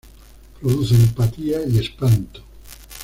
Produce empatía y espanto".